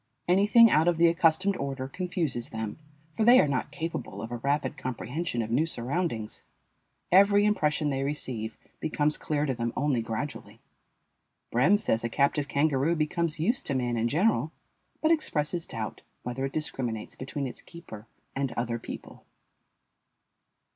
Anything out of the accustomed order confuses them, for they are not capable of a rapid comprehension of new surroundings. Every impression they receive becomes clear to them only gradually. Brehm says a captive kangaroo becomes used to man in general, but expresses doubt whether it discriminates between its keeper and other people.